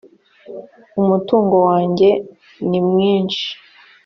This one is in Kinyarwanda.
umutungo wanjye nimwinshi